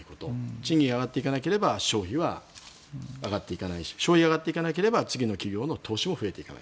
賃金が上がっていかなければ消費は上がっていかないし消費が上がっていかなければ企業の投資も増えていかない